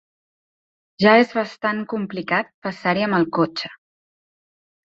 Ja es bastant complicat passar-hi amb el cotxe.